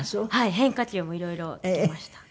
変化球もいろいろ漬けました。